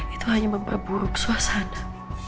itu hanya memperburuk suasana